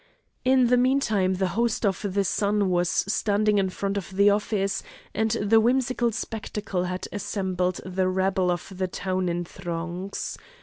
In the meanwhile the "Host of the Sun" was standing in front of the office, and the whimsical spectacle had assembled the rabble of the town in throngs.